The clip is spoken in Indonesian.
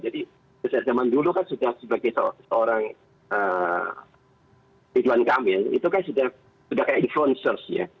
jadi sejak zaman dulu kan sebagai seorang hewan kambing itu kan sudah kayak influencer ya